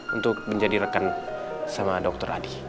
untuk menjadi rekan sama dokter adi